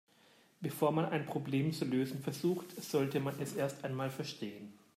Bevor man ein Problem zu lösen versucht, sollte man es erst einmal verstehen.